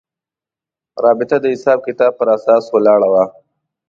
رابطه د حساب کتاب پر اساس ولاړه وه.